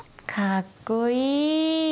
かっこいい！